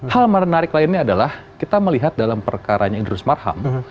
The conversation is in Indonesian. hal menarik lainnya adalah kita melihat dalam perkaranya idrus marham